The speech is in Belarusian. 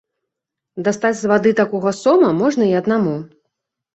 Дастаць з вады такога сома можна і аднаму.